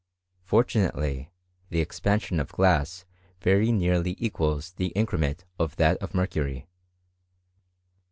Fortu nately, the expansion of glass very nearly equals the increment of that of mercury.